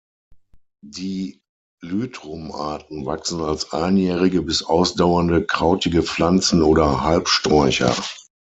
Die "Lythrum"-Arten wachsen als einjährige bis ausdauernde krautige Pflanzen oder Halbsträucher.